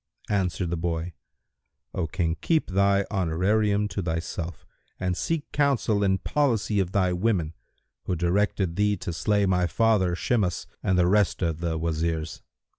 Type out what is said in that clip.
Answered the boy, "O King, keep thy honorarium to thyself and seek counsel and policy of thy women, who directed thee to slay my father Shimas and the rest of the Wazirs."